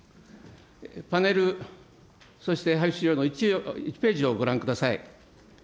パネル、そして配付資料の１ページをご覧ください。